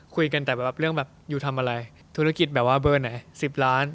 คุยกันแต่เรื่องอยู่ทำอะไร